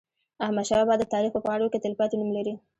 احمدشاه بابا د تاریخ په پاڼو کې تلپاتې نوم لري.